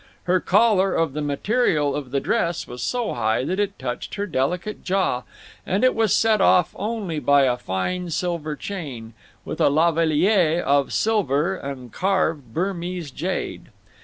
Her collar, of the material of the dress, was so high that it touched her delicate jaw, and it was set off only by a fine silver chain, with a La Vallière of silver and carved Burmese jade.